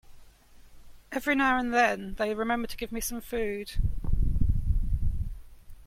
Every now and then they remember to give me some food.